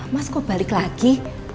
mas kok balik lagi